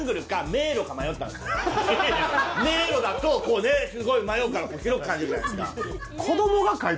迷路だとこうねすごい迷うから広く感じるじゃないですか。